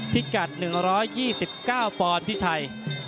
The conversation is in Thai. พิกัด๑๒๙ปอนด์พี่ชัย